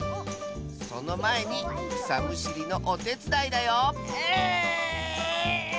そのまえにくさむしりのおてつだいだようあっ！